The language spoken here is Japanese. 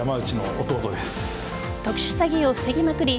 特殊詐欺を防ぎまくり